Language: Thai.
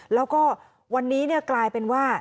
แล้วก็วันนี้กลายเป็นว่า